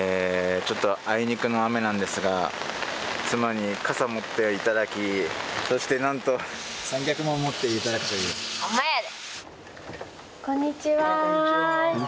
ちょっとあいにくの雨なんですが妻に傘持っていただきそしてなんとこんにちは失礼します。